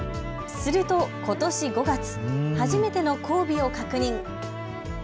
すると、ことし５月、初めての交尾を確認。